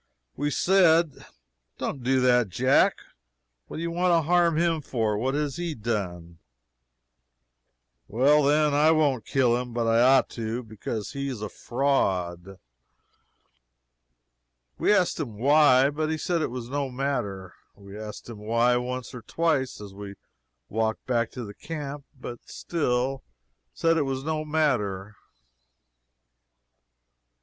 We said: "Don't do that, Jack. What do you want to harm him for? What has he done?" "Well, then, I won't kill him, but I ought to, because he is a fraud." We asked him why, but he said it was no matter. We asked him why, once or twice, as we walked back to the camp but he still said it was no matter.